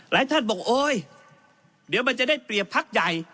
ท่านบอกโอ๊ยเดี๋ยวมันจะได้เปรียบพักใหญ่